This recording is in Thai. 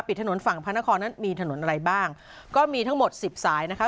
ถนนฝั่งพระนครนั้นมีถนนอะไรบ้างก็มีทั้งหมดสิบสายนะคะ